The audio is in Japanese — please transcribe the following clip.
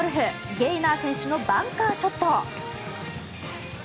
ゲイナー選手のバンカーショット。